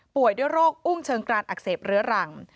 ด้วยโรคอุ้งเชิงกรานอักเสบเรื้อรัง